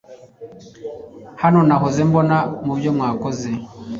hano nahoze mbona mu byo mwakoze